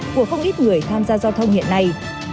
của không ít người tham gia giao thông hiện nay